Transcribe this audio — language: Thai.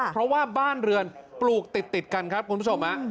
เพราะว่าบ้านเรือนปลูกติดกันครับคุณผู้ชม